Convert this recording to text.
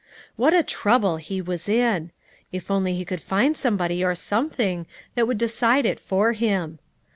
What a trouble he was in! If only he could find somebody or something that would decide it for him!